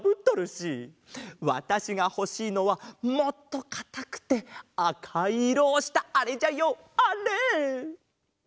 わたしがほしいのはもっとかたくてあかいいろをしたあれじゃよあれ！